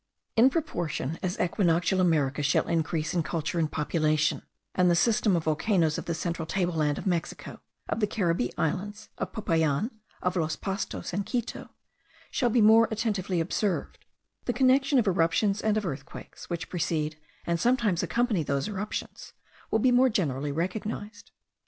In proportion as equinoctial America shall increase in culture and population, and the system of volcanoes of the central table land of Mexico, of the Caribbee Islands, of Popayan, of los Pastos, and Quito, shall be more attentively observed, the connection of eruptions and of earthquakes, which precede and sometimes accompany those eruptions, will be more generally recognized.